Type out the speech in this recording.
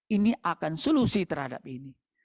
ini akan solusi terhadap ini